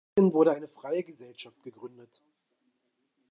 Daraufhin wurde eine freie Gesellschaft gegründet.